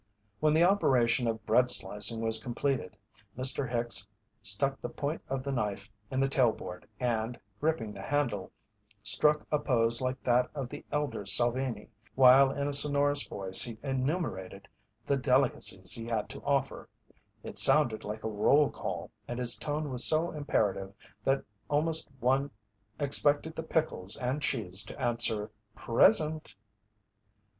When the operation of bread slicing was completed, Mr. Hicks stuck the point of the knife in the tail board and, gripping the handle, struck a pose like that of the elder Salvini, while in a sonorous voice he enumerated the delicacies he had to offer. It sounded like a roll call, and his tone was so imperative that almost one expected the pickles and cheese to answer "present."